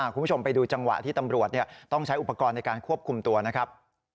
คุณผู้ชมไปดูจังหวะที่ตำรวจต้องใช้อุปกรณ์ในการควบคุมตัวนะครับ